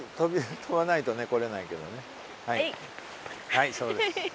はいそうです。